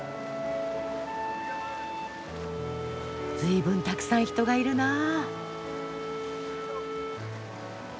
ずいぶんたくさん人がいるなあ。